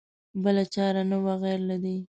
بله چاره نه وه غیر له دې.